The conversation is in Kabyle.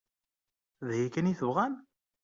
D aya kan i tebɣam?